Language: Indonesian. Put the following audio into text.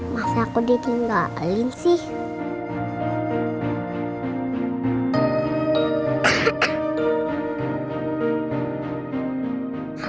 masa aku ditinggalin sih